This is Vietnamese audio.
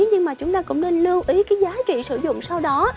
nhưng mà chúng ta cũng nên lưu ý cái giá trị sử dụng sau đó